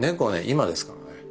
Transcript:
今ですからね。